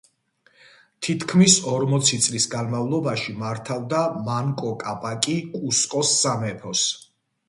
თითქმის ორმოცი წლის განმავლობაში მართავდა მანკო კაპაკი კუსკოს სამეფოს.